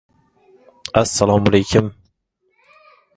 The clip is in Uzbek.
• Chelak qanday bo‘lsa, qopqog‘i ham shunday.